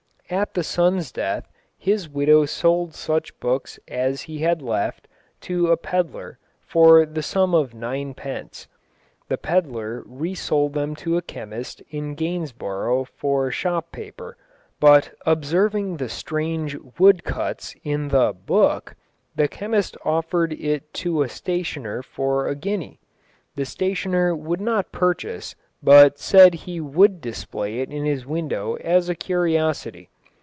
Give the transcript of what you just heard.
At the son's death, his widow sold such books as he had left, to a pedlar, for the sum of ninepence. The pedlar re sold them to a chemist in Gainsborough for shop paper, but observing the strange wood cuts in the "Book," the chemist offered it to a stationer for a guinea. The stationer would not purchase, but said he would display it in his window as a curiosity.